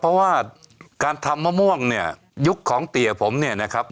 เพราะว่าการทำมะม่วงเนี่ยยุคของเตี๋ยผมเนี่ยนะครับ